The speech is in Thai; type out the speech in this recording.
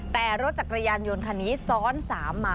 แต่รถจากกระยายยนต์ยนต์คันนี้ซอนสาม